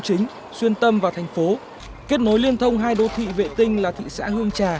chính xuyên tâm vào thành phố kết nối liên thông hai đô thị vệ tinh là thị xã hương trà